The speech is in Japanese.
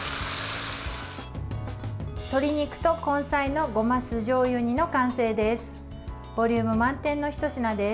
鶏肉と根菜のごま酢じょうゆ煮の完成です。